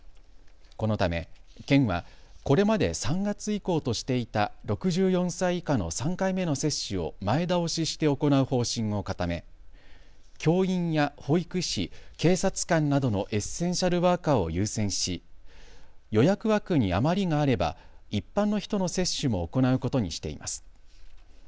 このため県は、これまで３月以降としていた６４歳以下の３回目の接種を前倒しして行う方針を固め教員や保育士、警察官などのエッセンシャルワーカーを優先し予約枠に余りがあれば一般の人の接種も行うことにしています。